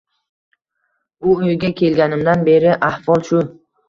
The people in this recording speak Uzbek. Bu uyga kelg‘animdan beri ahvol shu